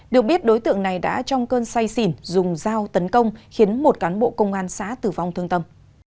được biết đối tượng này đã trong cơn say xỉn dùng dao tấn công khiến một cán bộ công an xã tử vong thương tâm